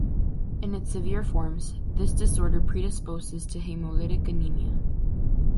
In its severe forms, this disorder predisposes to haemolytic anaemia.